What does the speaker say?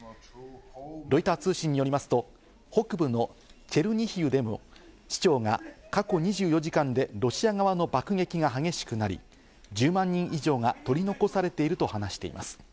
ロイター通信によりますと、北部のチェルニヒウでも市長が過去２４時間でロシア側の爆撃が激しくなり、１０万人以上が取り残されていると話しています。